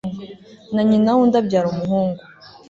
na nyina w'undi abyara umuhungu